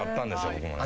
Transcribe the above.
僕もね。